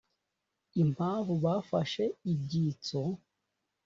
impamvu bafashe ibyitso?